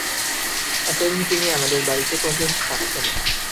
এতদিন তিনি আমাদের বাড়িতে পর্যন্ত থাকতেন না।